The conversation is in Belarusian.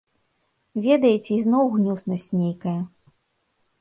Ведаеце, ізноў гнюснасць нейкая.